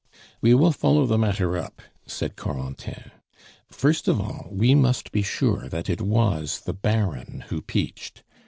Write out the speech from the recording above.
"We will follow the matter up," said Corentin. "First of all, we must be sure that it was the Baron who peached.